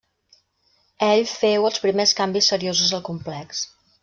Ell féu els primers canvis seriosos al complex.